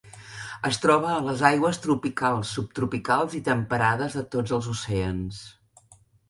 Es troba a les aigües tropicals, subtropicals i temperades de tots els oceans.